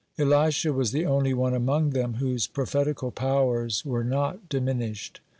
(1) Elisha was the only one among them whose prophetical powers were not diminished.